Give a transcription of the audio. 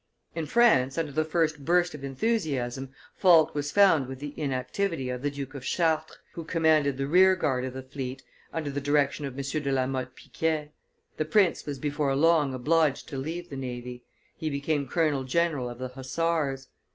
In France, after the first burst of enthusiasm, fault was found with the inactivity of the Duke of Chartres, who commanded the rear guard of the fleet, under the direction of M. de La Motte Piquet; the prince was before long obliged to leave the navy, he became colonel general of the hussars.